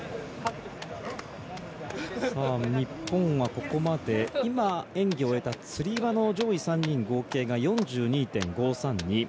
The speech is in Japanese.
日本はここまで演技を終えたつり輪の上位３人の合計が４２．５３２。